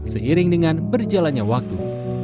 seiring dengan berjalannya waktu